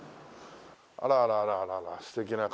あらあらあらあら素敵な感じのね。